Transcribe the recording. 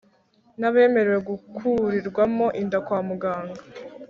n’abemerewe gukurirwamo inda kwa muganga